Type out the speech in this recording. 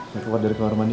saya keluar dari kamar mandi